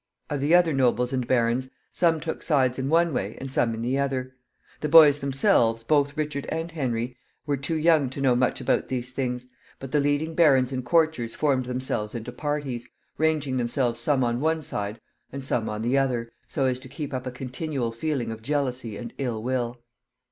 Of the other nobles and barons, some took sides in one way and some in the other. The boys themselves, both Richard and Henry, were too young to know much about these things; but the leading barons and courtiers formed themselves into parties, ranging themselves some on one side and some on the other, so as to keep up a continual feeling of jealousy and ill will.